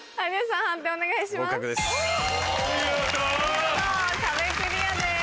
見事壁クリアです。